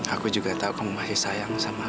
aku juga tahu kamu masih sayang sama